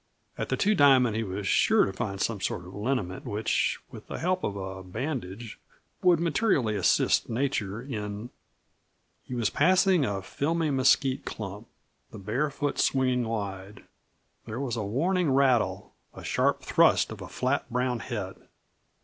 At the Two Diamond he was sure to find some sort of liniment which, with the help of a bandage, would materially assist nature in He was passing a filmy mesquite clump the bare foot swinging wide. There was a warning rattle; a sharp thrust of a flat, brown head.